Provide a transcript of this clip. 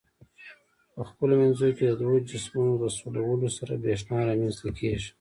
په خپلو منځو کې د دوو جسمونو په سولولو سره برېښنا رامنځ ته کیږي.